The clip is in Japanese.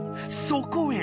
そこへ。